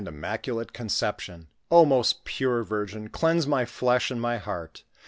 ft immaculate conception, O most pure Virgin, cleanse my flesh ond my heart.